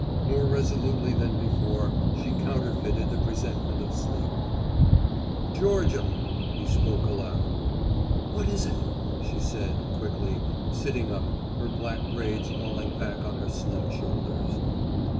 More resolutely than before she counterfeited the presentment of sleep. "Georgia!" he spoke aloud. "What is it!" she said, quickly, sitting up, her black braids falling back on her slim shoulders.